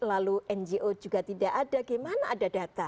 lalu ngo juga tidak ada gimana ada data